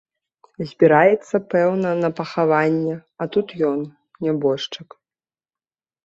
Збіраецца, пэўна, на пахаванне, а тут ён, нябожчык.